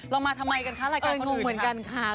เรามาทำไมกันคะรายการก็เลิฟยังไง